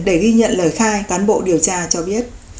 để ghi nhận lời khai cán bộ điều tra cho biết